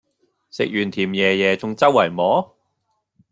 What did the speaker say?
食完甜椰椰仲周圍摸